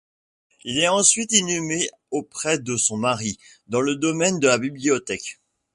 Elle est ensuite inhumée auprès de son mari, dans le domaine de la bibliothèque.